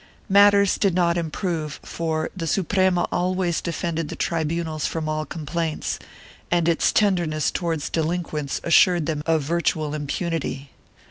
1 Matters did not improve, for the Suprema always defended the tribunals from all complaints, and its tenderness towards delin quents assured them of virtual impunity.